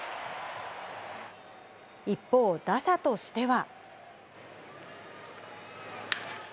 一方、打者としては。